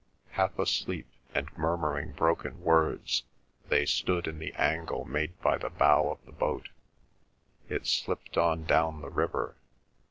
Half asleep, and murmuring broken words, they stood in the angle made by the bow of the boat. It slipped on down the river.